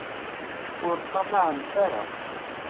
Ur ṭṭamaɛemt ara.